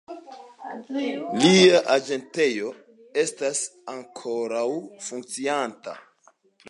Lia agentejo estas ankoraŭ funkcianta.